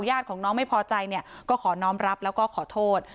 ญาติของน้องไม่พอใจเนี่ยก็ขอน้องรับแล้วก็ขอโทษ